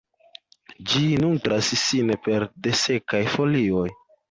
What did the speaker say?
Ĝi nutras sin pere de sekaj folioj.